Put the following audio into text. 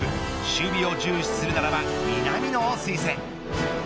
守備を重視するならば南野を推薦。